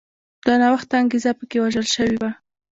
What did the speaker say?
د نوښت انګېزه په کې وژل شوې وه.